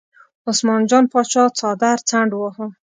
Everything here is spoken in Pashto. عثمان جان پاچا څادر څنډ واهه.